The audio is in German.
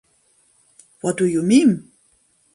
What do you Meme?